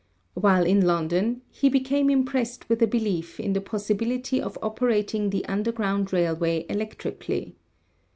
While in London he became impressed with a belief in the possi bility of operating the underground railway electrically.